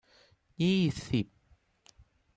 ยี่สิบ